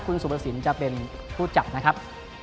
คุณสุภสินจะเป็นผู้จัดนะครับ